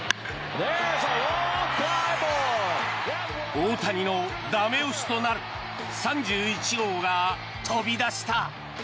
大谷の駄目押しとなる３１号が飛び出した。